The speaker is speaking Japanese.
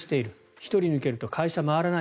１人が抜けると会社が回らない。